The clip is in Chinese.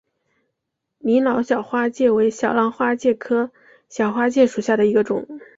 李老小花介为小浪花介科小花介属下的一个种。